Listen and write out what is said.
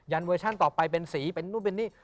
เวอร์ชั่นต่อไปเป็นสีเป็นนู่นเป็นนี่